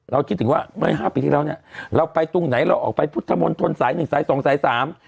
คิดถึงว่าเมื่อห้าปีที่แล้วเนี้ยเราไปตรงไหนเราออกไปพุทธมนตรสายหนึ่งสายสองสายสาม